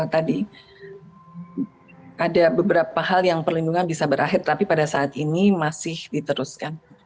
tadi ada beberapa hal yang perlindungan bisa berakhir tapi pada saat ini masih diteruskan